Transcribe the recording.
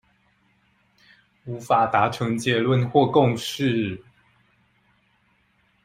無法達成結論或共識